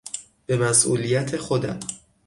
به مسئولیت خودم